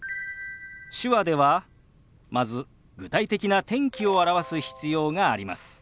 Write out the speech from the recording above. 手話ではまず具体的な天気を表す必要があります。